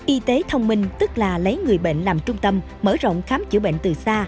y tế thông minh tức là lấy người bệnh làm trung tâm mở rộng khám chữa bệnh từ xa